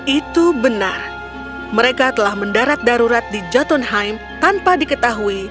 itu benar mereka telah mendarat darurat di jatunheim tanpa diketahui